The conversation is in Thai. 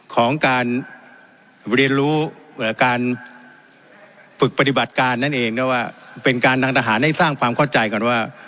ของการเรียนรู้การฝึกปฏิบัติการนั่นเองนะว่าเป็นการทางทหารให้สร้างความเข้าใจกันว่า